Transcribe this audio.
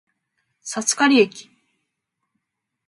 札苅駅